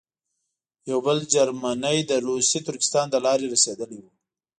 یو بل جرمنی د روسي ترکستان له لارې رسېدلی وو.